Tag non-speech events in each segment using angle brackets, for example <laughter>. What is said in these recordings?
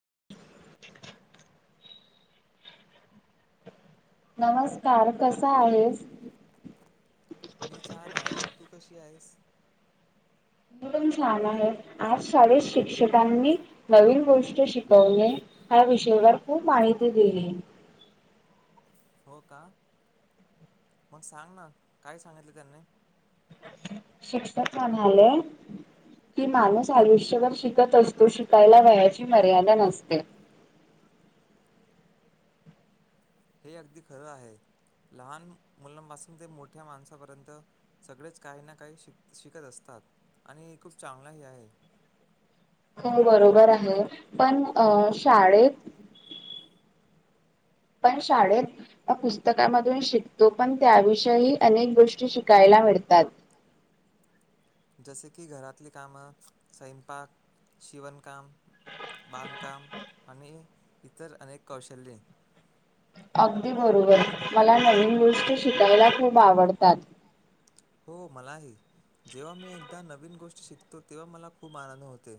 <inaudible> नमस्कार कसा आहेस? मी छान आहे. तू कशी आहेस? मी पण छान आहे. आज शाळेत शिक्षकांनी नवीन गोष्ट शिकवणे ह्या विषयवर खूप माहिती दिली. हो का? मग सांग ना, काय सांगितले त्यांनी? शिक्षक म्हणाले कि माणूस आयुष्यभर शिकत असतो शिकायला वयाची मर्यादा नसते. <inaudible> हे अगदी खरं आहे. लहान मुलांपासून ते मोठ्या माणसापर्यंत सगळेच काही ना काही शिकत असतात. आणि खूप चांगला ही आहे. हो बरोबर आहे पण अ शाळेत <inaudible> पण शाळेत आप पुस्तकामधून शिकतो पण त्याविषयी अनेक गोष्टी शिकायला आवडतात. <inaudible> जसे की घरातली कामं, स्वयंपाक, शिवणकाम बांधकाम आणि इतर अनेक कौशल्ये. अगदी बरोबर मला नवीन गोष्टी शिकायला खूप आवडतात. हो मलाही. जेव्हा मी एकदा नवीन गोष्ट शिकतो तेव्हा मला खूप आनंद होते.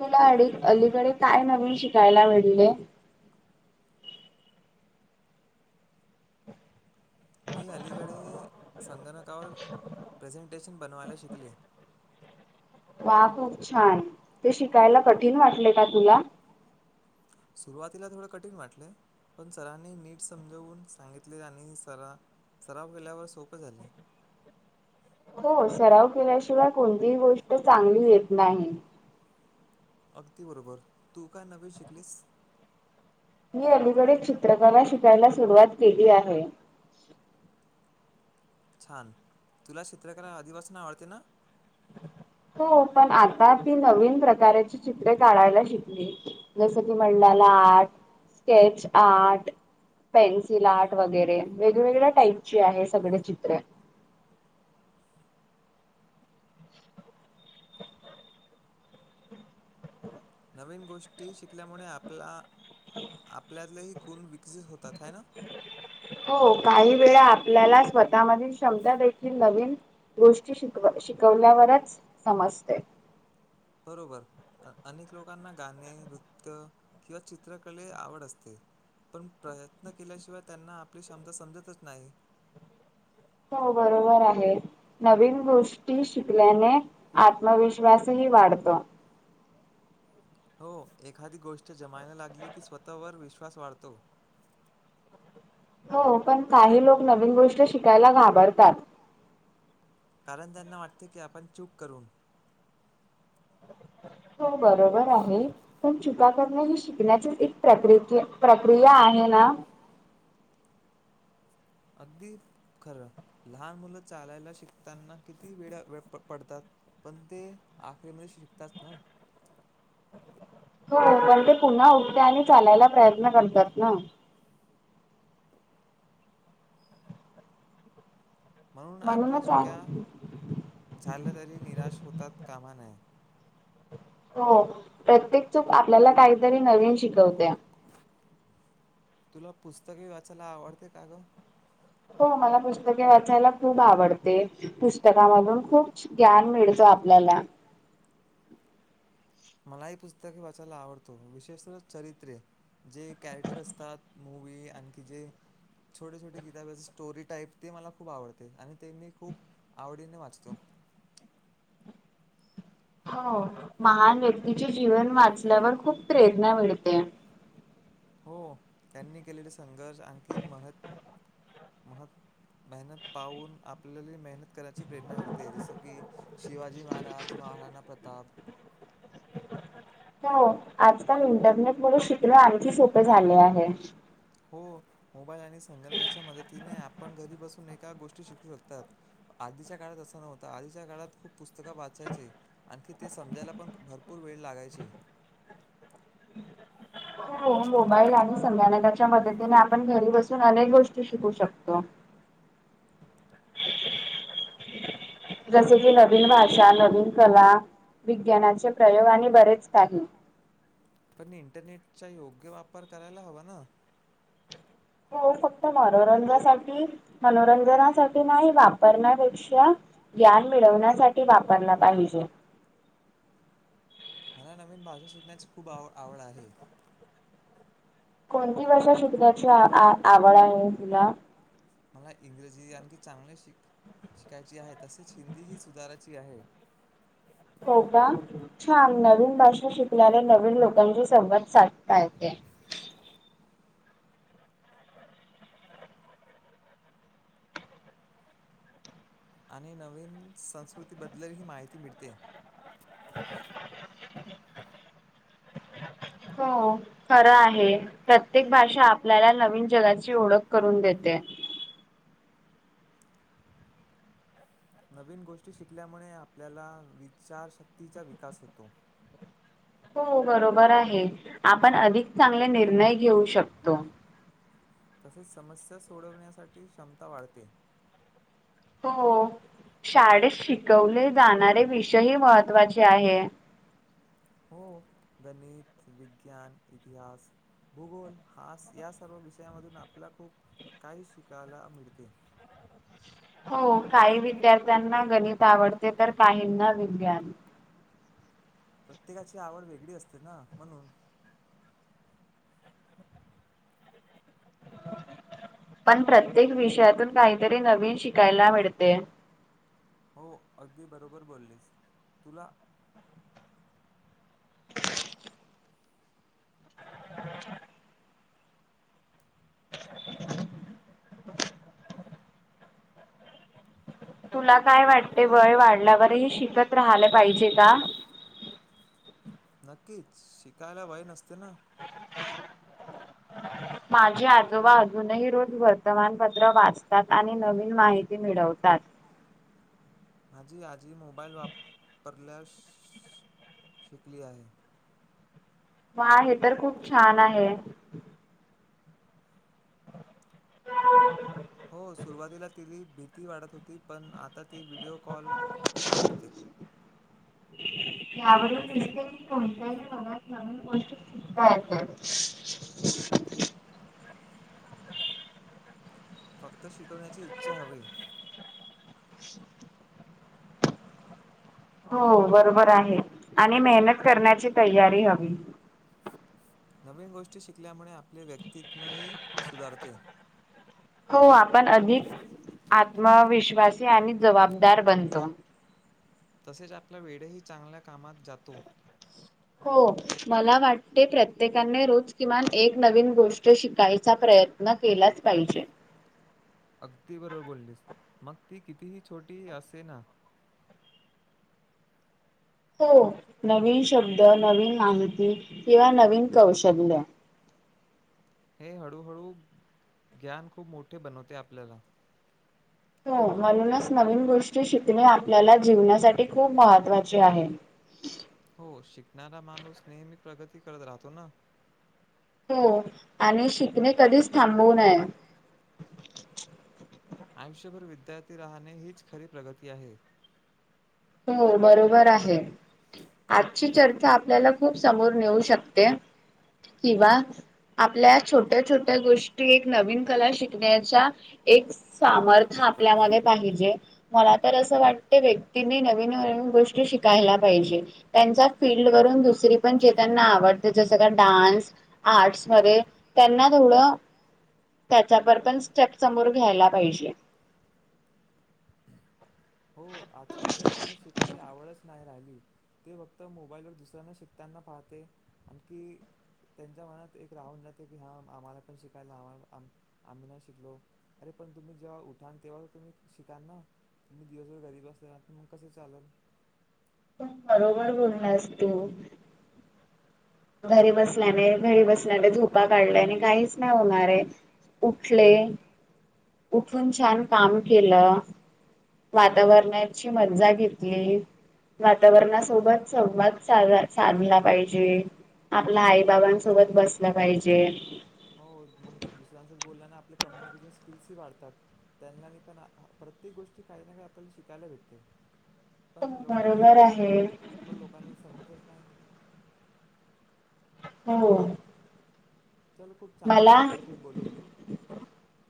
तुला अडी-अलीकडे काय नवीन शिकायला मिळले. मी अलीकडे संगणकावर प्रेझेंटेशन बनवायला शिकले. ह खूप छान ते शिकायला कठीण वाटले का तुला? सुरुवातीला थोडं कठीण वाटले. पण सरांनी नीट समजवून सांगितले आणि सरा सराव केल्यावर सोप झाले. हो सराव केल्याशिवाय कोणतीही गोष्ट चांगली येत नाही. अगदी बरोबर तू काय नवीन शिकलीस? मी अलीकडे चित्रकला शिकायला सुरुवात केली आहे. छान तुला चित्रकला आधिपासून आवडते ना? <inaudible> हो पण आता ती नवीन प्रकारची चित्रे काढायला शिकली. जस की mandala art, sketch art. Pencil art वगैरे वेगवेगळ्या टाईपची आहे, सगडी चित्रे. <inaudible> नवीन गोष्टी शिकल्यामुडे आपला आपल्यातलेही कुण विकसित होतात हा ना? ल्याला स्वतः मधील क्षमता देखील नवीन गोष्टी शिकव शिकवल्यावरच समज असतय बरोबर, अ अनेक लोकांना गाणे नृत्य किंवा चित्रकले आवड असते. पण प्रयत्न केल्याशिवाय त्यांना आपली क्षमता समजतच नाही. <inaudible> हो बरोबर आहे, नवीन गोष्टी शिकल्याने आत्मविश्वासही ही वाढतो हो, एखादी गोष्ट जमायला लागली की स्वतःवर विश्वास वाढतो. <inaudible> हो, पण काही लोक नवीन गोष्ट शिकायला घाबरतात. कारण त्यांना वाटते की आपण चूक करू. हो बरोबर आहे, पण चुका करण हे शिकण्याची एक प्रक्रती प्रक्रिया आहे. हे ना? अगदी खरं लहान मुलं चालायला शिकताना किती वेडा वे प पडतात? पण ते आखरीमध्ये शिकतात ना <inaudible> हो, पण ते पुन्हा उठते आणि चालायला प्रयत्न करतात ना. म्हणून आपल्या चुक्या झाल्या तरी निराश होता कामा नये हो, प्रत्येक चूक आपल्याला काहीतरी नवीन शिकवते. तुला पुस्तके वाचायला आवडते का ग? हो, मला पुस्तके वाचायला खूप आवडते, पुस्तकामधून खूप छ ग्यान मिडत. आपल्याला मला ही पुस्तके वाचायला आवडतो विशेष चरित्रे. जे कॅरेक्टर असतात मूवी आणखी जे छोटे छोटे किताब्याचे स्टोरी टाईप ते मला खूप आवडते आणि ते मी खूप आवडीने वाचतो. <inaudible> हो, महान व्यक्तीचे जीवन वाचल्यावर खूप प्रेरणा मिळते. <inaudible> हो त्यांनी केलेले संघर्ष आणखीन मह मह मेहनत पाहून आपल्याला ही मेहनत कराची प्रेरणा मिडते जस की शिवाजी महारा राज महाराणा प्रताप हो, आजकाल इंटरनेट मुळे शिकणं आणखी सोपे झाले आहे. हो, मोबाईल आणि संगणकाच्या मदतीने आपण घरी बसून एका गोष्टी शिकू शकतात. आधीच्या काळात असं नव्हता, आधीच्या काळात खूप पुस्तकं वाचायचे आणखी ते समजायला पण भरपूर वेळ लागायची <unintelligible> हो मोबाईल आणि संगणकच्या मदतीने, आपण घरी बसून अनेक गोष्टी शिकू शकतो. <unintelligible> जसे की, नवीन भाषा नवीन कला विग्यानाचे प्रयोग आणि बरेच काही. पण इंटरनेटचा योग्य वापर करायला हवा ना. हो फक म मनोरंजासाठी मनोरंजनासाठी नाही वापरण्यापेक्षा ग्यान मिळ ळवण्यासाठी वापरला पाहिजे मला नवीन भाषा शिकण्याची खूप आव आवड आहे. कोणती भाषा शिकण्याची आव आवड आहे तुला? मला इंग्रजी आणखी चांगल्या शिक शिकायची आहे तसेच हिंदी ही सुधारायची आहे. हो का छान नवीन भाषा शिकणाऱे नवीन लोकांशी संवाद साधता येते. <inaudible> आणि नवीन संस्कृती बद्दल ही माहिती मिळते. हो खरं आहे प्रत्येक भाषा आपल्याला नवीन जगाची ओळख करून देते. <inaudible> नवीन गोष्टी शिकल्यामुळे आपल्या विचारशक्तीचा विकास होतो. <inaudible> हो बरोबर आहे. आपण अधिक चांगले निर्णय घेऊ शकतो. तसेच समस्या सोडवण्यासाठी क्षमता वाढते. हो शाळेत शिकवले जाणारे विषयही महत्त्वाचे आहे. <unintelligible> गणित, विज्ञान, इतिहास भूगोल, इतिहास या सर्व विषयामधून आपल्या खूप काही शिकायला मिळते. <inaudible> हो काही विद्यार्थ्यांना गणित आवडते तर काहींना विज्ञान प्रत्येकाची आवड वेगळी असते ना म्हणून <inaudible> पण प्रत्येक विषयातून काहीतरी नवीन शिकायला मिळते. हो अगदी बरोबर बोललीस. तुला तुला काय वाटते वय वाढल्यावरही शिकत राहालं पाहिजे का? <inaudible> नक्कीच... शिकायला वय नसते ना.. <inaudible> माझे आजोबा अजूनही रोज वर्तमानपत्र वाचतात आणि नवीन माहिती मिळवतात. होतात. माझी आजी मोबाईल वापरल्यास शिकली आहे. वा हे तर खूप छान आहे. <inaudible> हो सुरुवातीला तिला भीती वाटत होती. पण आता ती व्हिडिओ कॉल ही करते. <inaudible> यावरून दिसत की कोणत्याही वयात नवीन गोष्ट शिकता येत. <inaudible> फक्त शिकवण्याची इच्छा हवी. <inaudible> हो बरोबर आहे आणि मेहनत करण्याची तयारी हवी. नवीन गोष्टी शिकल्यामुळे आपले व्यक्तित्वही सुधारते. हो आपण अधिक आत्मविश्वासी आणि जबाबदार बनतो. तसेच आपला वेळही चांगल्या कामात जातो. हो मला वाटते, प्रत्येकाने रोज किमान एक नवीन गोष्ट शिकायचा प्रयत्न प्रयत्न केलाच पाहिजे. अगदी बरोबर बोललीस. मग ती कितीही छोटी असे ना.. हो. नवीन शब्द, नवीन माहिती किंवा नवीन कौशल्य हे हळूहळू ज्ञान खूप मोठे बनवते आपल्याला हो म्हणूनच नवीन गोष्टी शिकणे आपल्याला जीवनासाठी खूप महत्त्वाचे आहे. <inaudible> हो शिकणारा माणूस नेहमी प्रगती करत राहतो ना. हो आणि शिकणे कधीच थांबवू नये. आयुष्यभर विद्यार्थी राहणे हीच खरी प्रगती आहे. हो बरोबर आहे. आजची चर्चा आपल्याला खूप समोर नेऊ शकते. किंवा आपल्या छोट्या छोट्या गोष्टी एक नवीन कला शिकण्याच्या एक सामर्थ्य आपल्यामध्ये पाहिजे, मला तर असं वाटते व्यक्ती नी नवीन नवीन गोष्टी शिकायला पाहिजे त्यांचा फिल्ड वरून दुसरी पण जे त्यांना आवड जसं का डान्स, आर्टस मध्ये त्यांना तेवढं त्याच्यावर पण स्टेप समोर घ्यायला पाहिजे. हो आजकालच्या मुलांना शिकायची आवडच नाही राहिली ते फक्त मोबाईल वर दुसऱ्यांना शिकताना पाहते आणखी त्यांच्या मनात एक राहून जाते की, हा आम्हाला पण शिकायला हवं आम्ही नाही शिकलो. पण तुम्ही जेव्हा उठाल तेव्हा तुम्ही शिकाल ना तुम्ही, दिवसभर घरी अस राहुन मग कस चाललं. पण बरोबर बोललास तु. घरी बसल्याने घरी बसल्याने झोपा काढल्या, आणि काहीच नाही होणार आहे. उठले उठून छान काम केलं. वातावरणाची मजा घेतली. वातावरणा सोबत संवाद साधला पाहिजे. आपल्या आई -बाबांसोबत बसल पाहिजे. हो मग दुसऱ्यांशी बोलल्यावर आपले कम्युनिकेशन स्किल्सही वाढतात, त्यांना पण प्रत्येक गोष्टी काही ना काही आपल्याला शिकायला भेटते. पण लोक ते पण लोकांना समजतचं नाही. हो. चला खूप चांगला वाटल तुझ्याशी बोलून.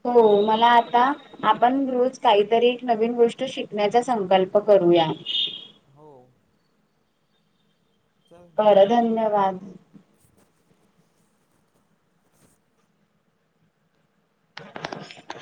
हो मला आता आपण रोज काही तरी एक नवीन गोष्ट शिकण्याचा संकल्प करूया. <unintelligible> हो. बरं धन्यवाद! <unintelligible>